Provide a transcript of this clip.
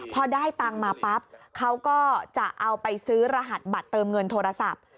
พอได้ตังค์มาปั๊บเขาก็จะเอาไปซื้อรหัสบัตรเติมเงินโทรศัพท์